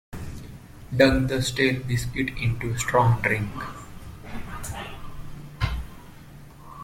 Dunk the stale biscuits into strong drink.